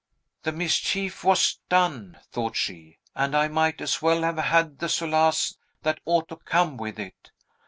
"The mischief was done," thought she; "and I might as well have had the solace that ought to come with it.